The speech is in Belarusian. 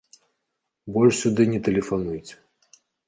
Больш сюды не тэлефануйце.